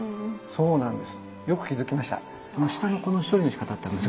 そうなんです。